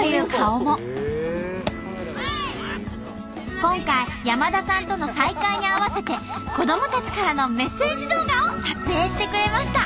今回山田さんとの再会に合わせて子どもたちからのメッセージ動画を撮影してくれました。